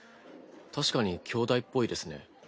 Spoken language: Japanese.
確かに兄弟っぽいですね。